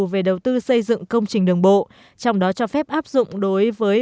về đầu tư xây dựng công trình đường bộ trong đó cho phép áp dụng đối với